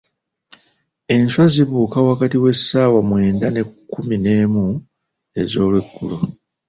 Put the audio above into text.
Enswa zibuuka wakati w'essaawa mwenda ne kkumu n'emu ez'olweggulo.